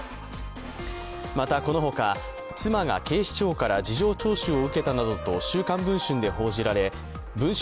またこのほか、妻が警視庁から事情聴取を受けたなどと「週刊文春」で報じられ文春